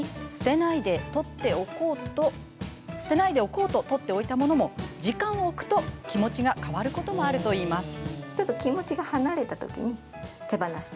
その時、捨てないでおこうと取っておいたものも時間を置くと気持ちが変わることもあるといいます。